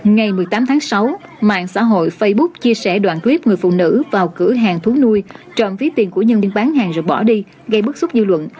ngày một mươi tám tháng sáu mạng xã hội facebook chia sẻ đoạn clip người phụ nữ vào cửa hàng thú nuôi chọn ví tiền của nhân viên bán hàng rồi bỏ đi gây bức xúc dư luận